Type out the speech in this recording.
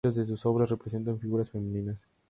Muchas de sus obras representan figuras femeninas.